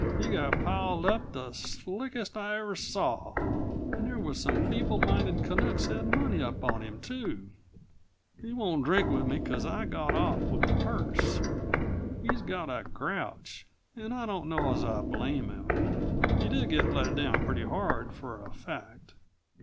He got piled up the slickest I ever saw; and there was some feeble minded Canucks had money up on him, too: He won't drink with me, 'cause I got off with the purse. He's got a grouch and I don't know as I blame him; he did get let down pretty hard, for a fact."